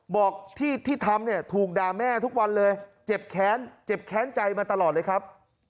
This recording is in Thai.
บอกที่ทำถูกดาแม่ทุกวันเลยเจ็บแค้นใจมาตลอดเลยครับ